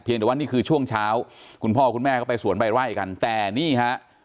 เดี๋ยวว่านี่คือช่วงเช้าคุณพ่อคุณแม่ก็ไปสวนใบไร่กันแต่นี่ฮะ